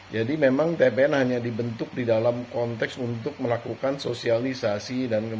jadi memang tpn hanya dibentuk di dalam konteks untuk melakukan sosialisasi